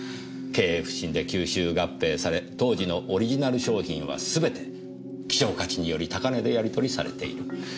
経営不振で吸収合併され当時のオリジナル商品はすべて希少価値により高値でやり取りされている。